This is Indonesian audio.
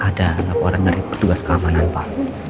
ada laporan dari petugas keamanan pak